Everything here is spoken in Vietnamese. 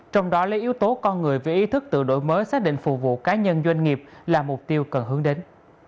trong đó lấy yếu tố con người về ý thức tự đổi mới xác định phục vụ cá nhân doanh nghiệp là mục tiêu cần hướng đến